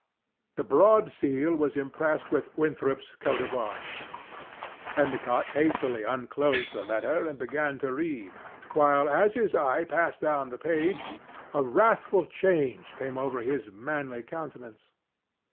The broad seal was impressed with Winthrop's coat of arms. Endicott hastily unclosed the letter and began to read, while, as his eye passed down the page, a wrathful change came over his manly countenance.